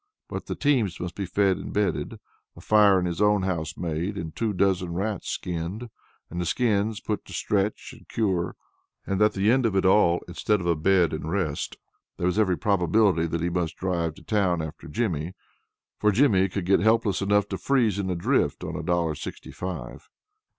Both the teams must be fed and bedded, a fire in his own house made, and two dozen rats skinned, and the skins put to stretch and cure. And at the end of it all, instead of a bed and rest, there was every probability that he must drive to town after Jimmy; for Jimmy could get helpless enough to freeze in a drift on a dollar sixty five.